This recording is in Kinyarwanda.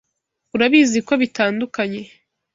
Urabizi ko bitandukanye.